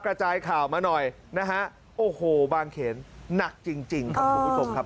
กระจายข่าวมาหน่อยนะฮะโอ้โหบางเขนหนักจริงจริงครับคุณผู้ชมครับ